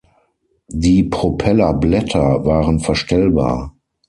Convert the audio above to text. Die Propellerblätter waren verstellbar.